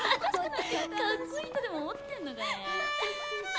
かっこいいとでも思ってんのかね。